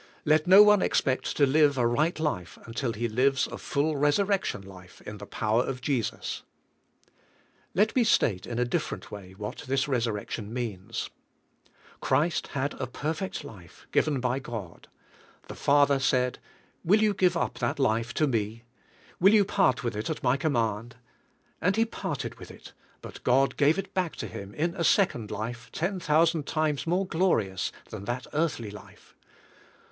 Let no one expect to live a right life until he lives a full resurrection life in the power of Jesus. Let me state in a different way what this resurrec tion means. Christ had a perfect life, given by God. The Fa CHRIST OUR LIFE 83 ther said: "Will you give up that life to me? Will you part with it at my command?" And lie parted with it, but God gave it back to Him in a second life ten thousand times more glorious than that earthly life.